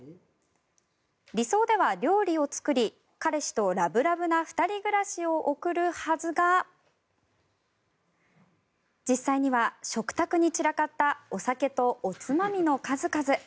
理想では料理を作り彼氏とラブラブな２人暮らしを送るはずが実際には食卓に散らかったお酒とおつまみの数々。